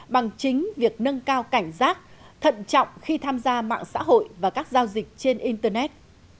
bằng chính việc nâng cao cảnh giác thận trọng khi tham gia mạng xã hội và các giao dịch trên internet